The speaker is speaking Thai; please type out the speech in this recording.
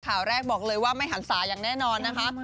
ข่าวแรกบอกเลยว่าไม่หันศาอย่างแน่นอนนะคะ